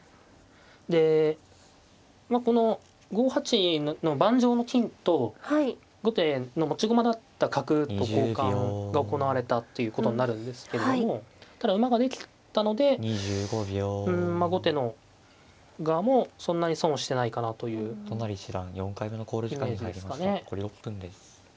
でまあこの５八の盤上の金と後手の持ち駒だった角と交換が行われたっていうことになるんですけれどもただ馬ができたのでうんまあ後手の側もそんなに損をしてないかなというイメージですかね。